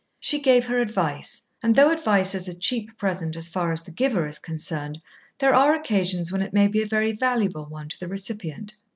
She gave her advice, and though advice is a cheap present as far as the giver is concerned, there are occasions when it may be a very valuable one to the recipient.